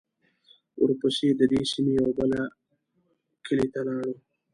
ورپسې د دې سیمې یوه بل کلي ته لاړو.